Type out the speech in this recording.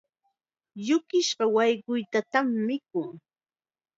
Yukisqa wayquytatam mikun.